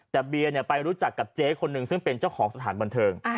แต่เบียร์ไปรู้จักกับเจ๊คนหนึ่งซึ่งเป็นเจ้าของสถานบันเทิง